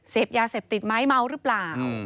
เสพยาเสพติดไหมเมาหรือเปล่า